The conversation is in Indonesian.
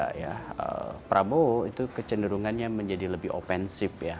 pertama prabowo itu kecenderungannya menjadi lebih opensif